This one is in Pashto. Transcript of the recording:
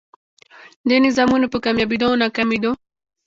دې نظامونو په کاميابېدو او ناکامېدو